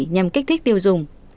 nhằm kích thích tiêu dùng